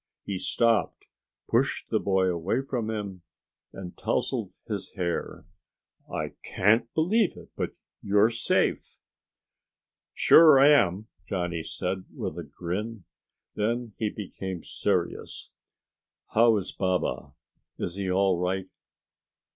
He stopped, pushed the boy away from him, and tousled his hair. "I can't believe it, but you're safe!" "Sure am," Johnny said, with a grin. Then he became serious. "How is Baba? Is he all right?"